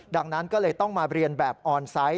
ดังนั้นก็เลยต้องมาเรียนแบบออนไซต์